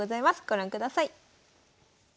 ご覧ください。